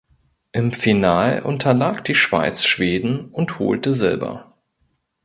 Im Final unterlag die Schweiz Schweden und holte Silber.